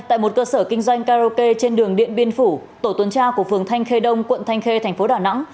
tại một cơ sở kinh doanh karaoke trên đường điện biên phủ tổ tuần tra của phường thanh khê đông quận thanh khê thành phố đà nẵng